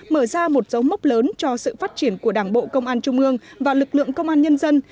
mở ra một dấu mốc lớn cho sự phát triển của đảng bộ công an trung ương và lực lượng công an nhân dân